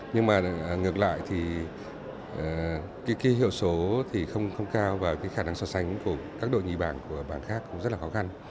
nhưng mà ngược lại thì cái hiệu số thì không cao và cái khả năng so sánh của các đội nhì bảng của bảng khác cũng rất là khó khăn